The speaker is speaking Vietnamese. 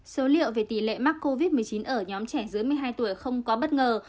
số liệu về tỷ lệ mắc covid một mươi chín ở nhóm trẻ dưới một mươi hai tuổi không có bất ngờ